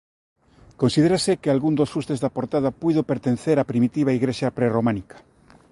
Considérase que algún dos fustes da portada puido pertencer á primitiva igrexa prerrománica.